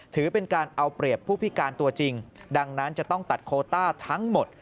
ถือเป็นการเอาเปรียบผู้พิการตัวจริงดังนั้นจะต้องตัดโคต้าทั้งหมด